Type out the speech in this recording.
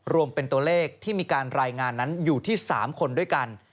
รวมเป็นตัวเลขที่มีการรายงานนั้นอยู่ที่๓คนด้วยกัน